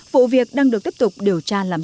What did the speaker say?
vụ việc đang được tiếp tục điều tra làm rõ